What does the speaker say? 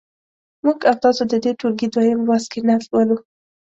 موږ او تاسو د دې ټولګي دویم لوست کې نعت لولو.